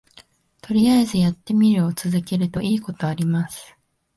とりあえずやってみるを続けるといいことあります